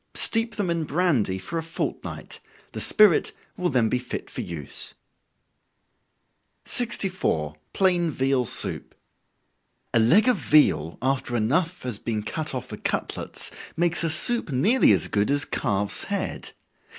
Steep them in brandy for a fortnight, the spirit will then be fit for use. 64. Plain Veal Soup. A leg of veal, after enough has been cut off for cutlets, makes a soup nearly as good as calf's head.